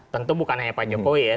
tentu bukan hanya pak jokowi ya